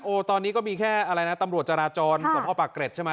ตอนนี้ก็มีแค่อะไรนะตำรวจจราจรสมภาพปากเกร็ดใช่ไหม